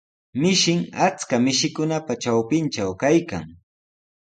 Mishin achka mishikunapa trawpintraw kaykan.